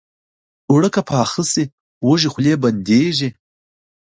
اوړه که پاخه شي، وږې خولې بندېږي